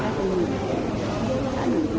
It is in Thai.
อะไรกัน